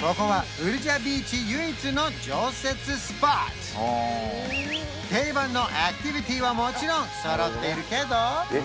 ここはウルジャビーチ唯一の常設スポット定番のアクティビティはもちろん揃っているけど